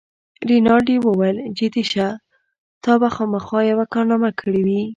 رینالډي وویل: جدي شه، تا به خامخا یوه کارنامه کړې وي.